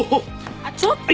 あっちょっと！